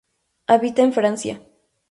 Habita en Francia.